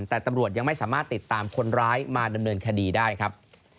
แต่ตำรวจยังไม่สามารถติดตามคนร้ายมาดำเนินคดีได้ครับ